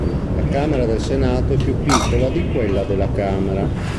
La camera del senato è più piccola di quella della camera.